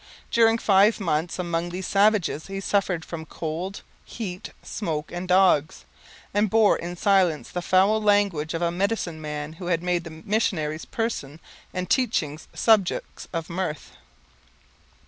During five months among these savages he suffered from 'cold, heat, smoke, and dogs,' and bore in silence the foul language of a medicine man who made the missionary's person and teachings subjects of mirth.